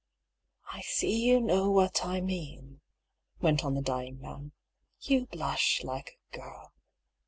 " I see you know what I mean," went on the dying man. ^' You blush like a girl.